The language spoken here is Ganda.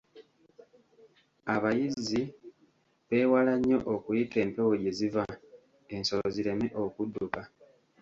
Abayizzi beewala nnyo okuyita empewo gye ziva, ensolo zireme okudduka.